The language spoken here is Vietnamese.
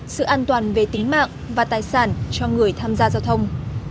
sự an toàn về tính mạng và tài sản cho người tham gia giao thông